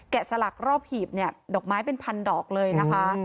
สลักรอบหีบเนี่ยดอกไม้เป็นพันดอกเลยนะคะ